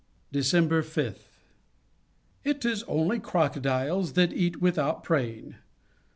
December \5th. "!T is only crocodiles that eat without praying."